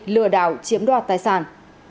lừa đảo chiếm đoạt tài sản